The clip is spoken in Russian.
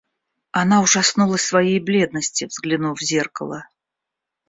Она ужаснулась своей бледности, взглянув в зеркало.